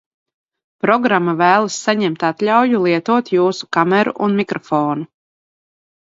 Programma v?las sa?emt at?auju lietot J?su kameru un mikrofonu.